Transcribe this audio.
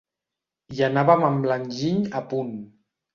Hi anàvem amb l'enginy a punt.